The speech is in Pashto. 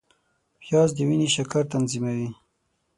پیاز د وینې شکر تنظیموي